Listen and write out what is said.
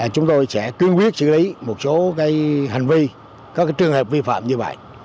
chúng tôi sẽ quyên quyết xử lý một số cái hành vi có cái trường hợp vi phạm như vậy